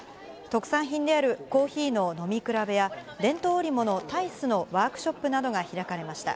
特産品であるコーヒーの飲み比べや、伝統織物、タイスのワークショップなどが開かれました。